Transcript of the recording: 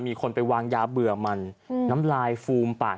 มีคนไปวางยาเบื่อมันน้ำลายฟูมปาก